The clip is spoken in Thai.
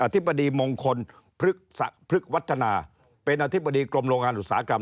ธิบดีมงคลพฤกษวัฒนาเป็นอธิบดีกรมโรงงานอุตสาหกรรม